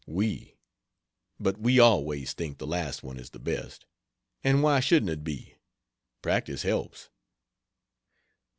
We but we always think the last one is the best. And why shouldn't it be? Practice helps.